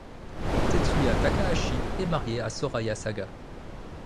Tetsuya Takahashi est marié à Soraya Saga.